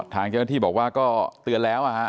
ทางเจ้าหน้าที่บอกว่าก็เตือนแล้ว